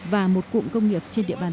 và một cụm công nghiệp trên địa phương